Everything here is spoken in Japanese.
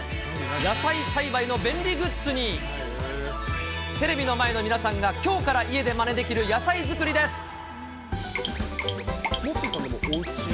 野菜栽培の便利グッズに、テレビの前の皆さんが、きょうから家でまねできる野菜作りです。